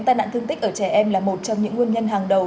tai nạn thương tích ở trẻ em là một trong những nguyên nhân hàng đầu